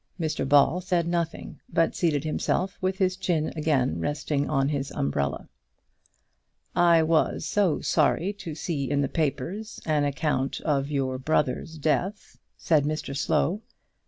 Mr Ball said nothing, but seated himself with his chin again resting on his umbrella. "I was so sorry to see in the papers an account of your brother's death," said Mr Slow.